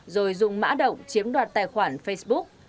rồi dùng mã động chiếm đoạt tài khoản facebook